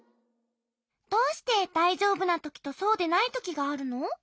どうしてだいじょうぶなときとそうでないときがあるの？